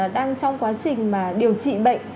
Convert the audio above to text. đang trong quá trình mà điều trị bệnh